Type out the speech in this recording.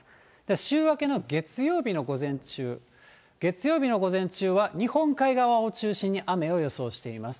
週明けの月曜日の午前中、月曜日の午前中は、日本海側を中心に雨を予想しています。